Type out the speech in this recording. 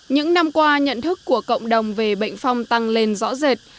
những năm qua nhận thức của cộng đồng về bệnh phong tăng lên rõ rệt